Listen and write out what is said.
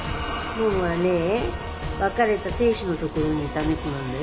ももはね別れた亭主の所にいた猫なんだよ。